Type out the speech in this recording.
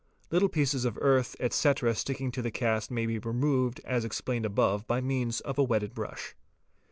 Little pieces of earth, etc., sticking to the cast may be 1emoved as explained above by means of a wetted brush.